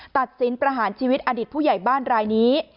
ตัดสินประหารชีวิตอดีตผู้ใหญ่บ้านรายนี้